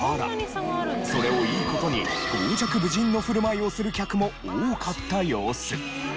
それをいい事に傍若無人の振る舞いをする客も多かった様子。